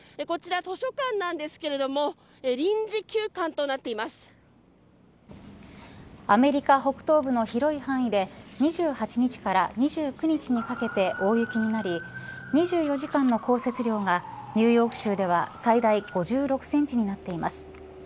こちらは図書館なんですがアメリカ北東部の広い範囲で２８日から２９日にかけて大雪になり２４時間の降雪量がニューヨーク州では最大５６センチになっています。